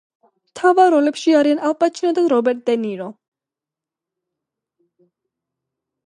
მთავარ როლებში არიან ალ პაჩინო და რობერტ დე ნირო.